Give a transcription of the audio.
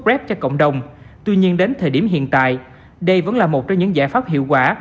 web cho cộng đồng tuy nhiên đến thời điểm hiện tại đây vẫn là một trong những giải pháp hiệu quả